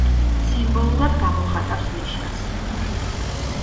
სიმბოლურად გამოხატავს ნიშანს.